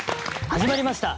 始まりました。